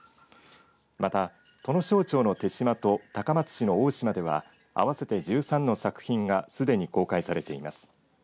また、土庄町の豊島と高松市の大島では合わせて１３の作品がすでに公開されています。